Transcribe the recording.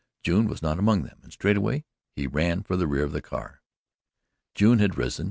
June was not among them and straightway he ran for the rear of the car. June had risen.